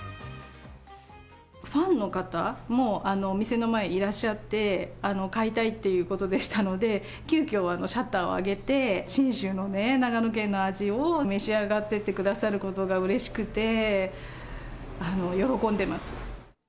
ファンの方もお店の前いらっしゃって、買いたいっていうことでしたので、急きょシャッターを上げて、信州の長野県の味を、召し上がってってくださることがうれしくて、喜んでます。